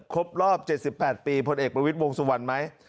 ครบรอบเจ็ดสิบแปดปีผลเอกบรวมวิทย์วงสุวรรค์ไหม